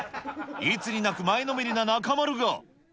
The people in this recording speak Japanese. いつになく前のめりな中丸が。